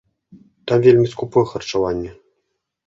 Там вельмі скупое харчаванне.